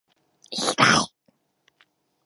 いぎだい！！！！